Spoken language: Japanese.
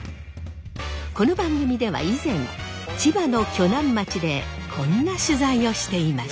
この番組では以前千葉の鋸南町でこんな取材をしていました。